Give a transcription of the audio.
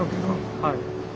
はい。